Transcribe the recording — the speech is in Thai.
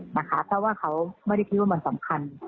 เพราะว่าเขาไม่ได้คิดว่ามันสำคัญ